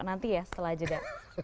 nanti ya setelah jeda